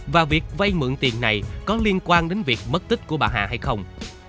và việc vay mượn tiền này có liên quan đến việc mất tích của bà hà hay không